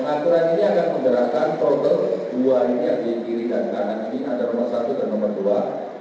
dua ini yang di kiri dan kanan ini ada nomor satu dan nomor dua